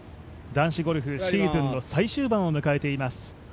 男子ゴルフシーズンの最終盤を迎えています。